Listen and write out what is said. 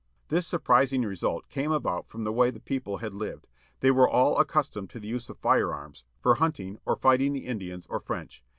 This surprising result came about from the way the people had lived. They were all accustomed to the use of firearms, for hunting, or fighting the Indians or French.